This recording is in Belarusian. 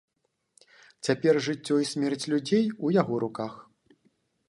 Цяпер жыццё і смерць людзей у яго руках.